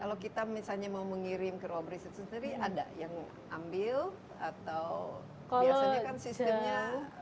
kalau kita misalnya mau mengirim ke robris itu sendiri ada yang ambil atau biasanya kan sistemnya